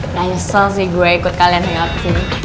gak nyesel sih gue ikut kalian ke sini